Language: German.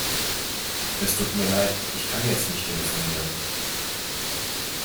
Es tut mir leid. Ich kann jetzt nicht telefonieren.